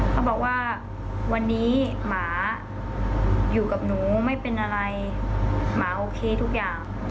เขาบอกว่าวันนี้หมาอยู่กับหนูไม่เป็นอะไรหมาโอเคทุกอย่าง